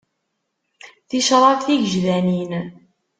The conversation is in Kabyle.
Ticraḍ tigejdanin.